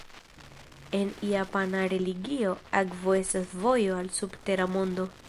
En japana religio, akvo estas vojo al subtera mondo.